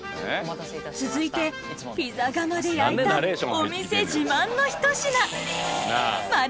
続いてピザ窯で焼いたお店自慢のひと品。